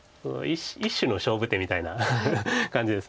一種の勝負手みたいな感じです。